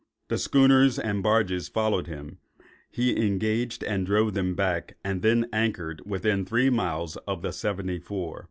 The schooners and barges following him, he engaged and drove them back, and then anchored within three miles of the seventy four.